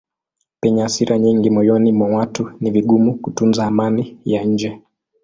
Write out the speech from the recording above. Penye hasira nyingi moyoni mwa watu ni vigumu kutunza amani ya nje.